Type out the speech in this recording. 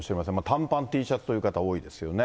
短パンＴシャツという方、多いですよね。